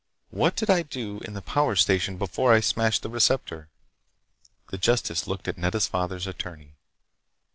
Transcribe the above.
"What did I do in the power station before I smashed the receptor?" The justice looked at Nedda's father's attorney.